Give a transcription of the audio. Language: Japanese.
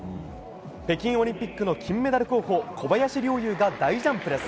北京オリンピックの金メダル候補小林陵侑が大ジャンプです。